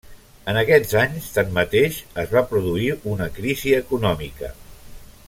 En aquests anys, tanmateix, es va produir una crisi econòmica.